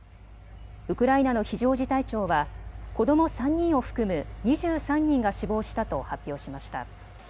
ウクライナの非常事態庁は子ども３人を含む２３人が死亡したと発表しました。